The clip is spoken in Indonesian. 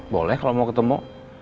boleh kalau mau ketemu